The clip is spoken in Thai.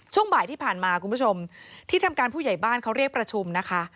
ช่วงบ่ายที่ผ่านมาคุณผู้ชมที่ทำการผู้ใหญ่บ้านเขาเรียกประชุมนะคะ